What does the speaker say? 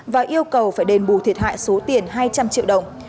và yêu cầu phải đền bù thiệt hại số tiền hai trăm linh triệu đồng